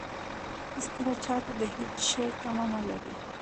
هېڅکله چاته د هېڅ شي تمه مه لرئ.